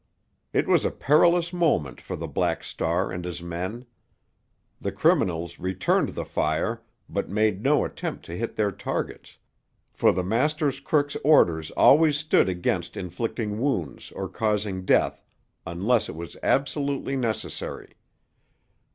It was a perilous moment for the Black Star and his men. The criminals returned the fire, but made no attempt to hit their targets, for the master crook's orders always stood against inflicting wounds or causing death, unless it was absolutely necessary.